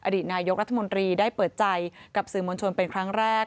อดีตนายกรัฐมนตรีได้เปิดใจกับสื่อมวลชนเป็นครั้งแรก